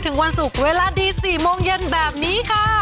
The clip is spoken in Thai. วันศุกร์เวลาดี๔โมงเย็นแบบนี้ค่ะ